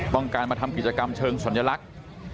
ต้องการมาทำกิจกรรมเชิงสัญลักษณ์